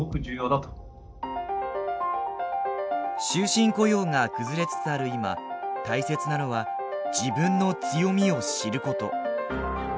終身雇用が崩れつつある今大切なのは自分の強みを知ること。